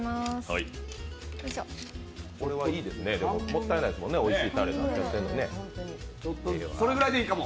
これはいいですね、もったいないですもんね、おいしいたれ。